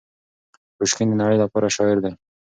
پوشکین د نړۍ لپاره شاعر دی.